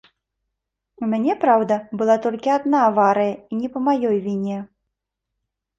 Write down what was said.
У мяне, праўда, была толькі адна аварыя і не па маёй віне.